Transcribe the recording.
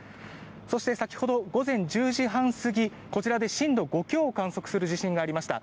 そして、先ほど午前１０時半過ぎこちらで震度５強を観測する地震がありました。